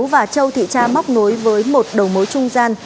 và châu thị cha móc nối với một đầu mối trung gian